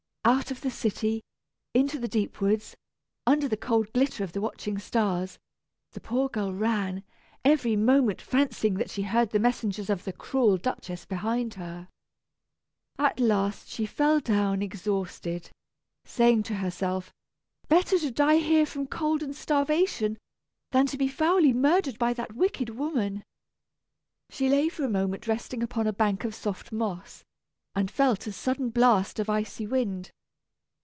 Out of the city, into the deep woods, under the cold glitter of the watching stars, the poor girl ran, every moment fancying that she heard the messengers of the cruel Duchess behind her. At last she fell down exhausted, saying to herself, "Better to die here from cold and starvation, than to be foully murdered by that wicked woman." She lay for a moment resting upon a bank of soft moss, and felt a sudden blast of icy wind.